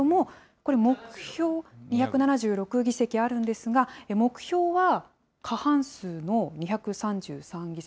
これ、目標２７６議席あるんですが、目標は過半数の２３３議席。